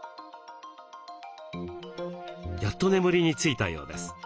やっと眠りについたようです。